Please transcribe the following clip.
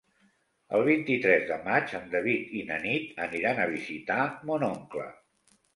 El vint-i-tres de maig en David i na Nit aniran a visitar mon oncle.